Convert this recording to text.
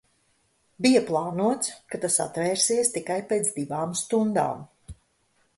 Bija plānots, ka tas atvērsies tikai pēc divām stundām.